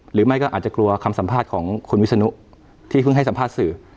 หรือไม่ก็อาจจะกลัวคำสัมภาษณ์ของคุณวิศนุที่เพิ่งให้สัมภาษณ์สื่อ